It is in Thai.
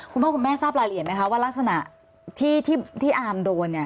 คุณพ่อคุณแม่ทราบรายละเอียดไหมคะว่ารักษณะที่อาร์มโดนเนี่ย